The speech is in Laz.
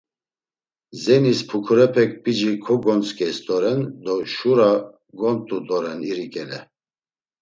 Zenis pukurepek p̌ici kogontzǩes doren do şura gont̆u doren iri ǩele.